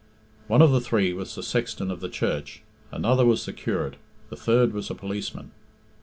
One of the three was the sexton of the church, another was the curate, the third was a policeman.